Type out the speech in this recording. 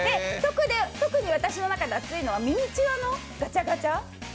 特に私の中で熱いのはミニチュアのガチャガチャ。